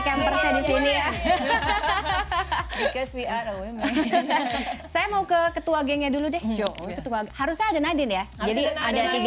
campersnya di sini ya hahaha saya mau ke ketua gengnya dulu deh harusnya ada nadine ya jadi ada